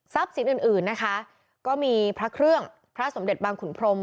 สินอื่นอื่นนะคะก็มีพระเครื่องพระสมเด็จบางขุนพรม